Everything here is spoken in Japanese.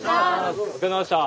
お疲れさまでした。